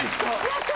やった！